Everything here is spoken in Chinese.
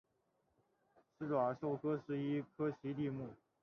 始爪兽科是一科奇蹄目。